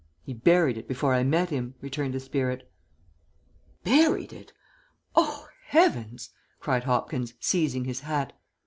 "He'd buried it before I met him," returned the spirit. "Buried it? Oh, Heavens!" cried Hopkins, seizing his hat.